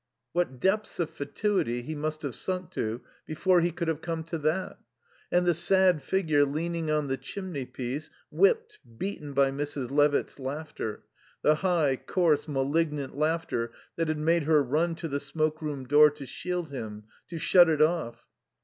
What depths of fatuity he must have sunk to before he could have come to that! And the sad figure leaning on the chimneypiece, whipped, beaten by Mrs. Levitt's laughter the high, coarse, malignant laughter that had made her run to the smoke room door to shield him, to shut it off.